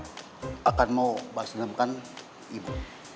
saya akan mau balas dendam kan ibu